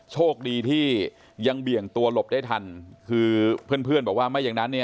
โชคดีที่ยังเบี่ยงตัวหลบได้ทันคือเพื่อนบอกว่า